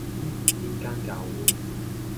邊間教會?